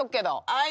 はい。